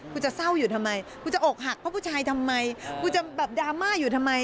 คุณจะเศร้าอยู่ทำไมกูจะอกหักเพราะผู้ชายทำไมกูจะแบบดราม่าอยู่ทำไม